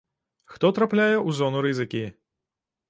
Хто трапляе ў зону рызыкі?